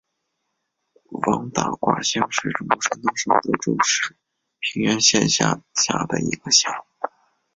王打卦乡是中国山东省德州市平原县下辖的一个乡。